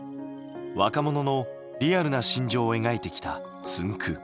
若者のリアルな心情を描いてきたつんく♂。